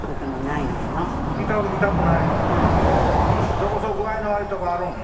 どこぞ具合の悪いとこあるん？